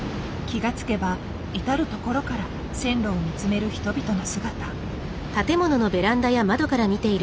気が付けば至る所から線路を見つめる人々の姿。